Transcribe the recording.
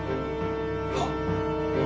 はっ。